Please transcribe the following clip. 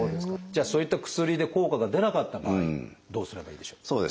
じゃあそういった薬で効果が出なかった場合どうすればいいでしょう？